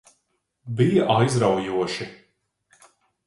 Bija aizraujoši.